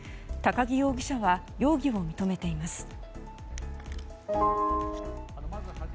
高木容疑者は容疑を認めています。